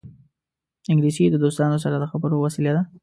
انګلیسي د دوستانو سره د خبرو وسیله ده